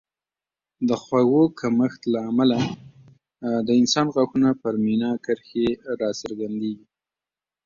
د خوړو کمښت له امله د انسان غاښونو پر مینا کرښې راڅرګندېږي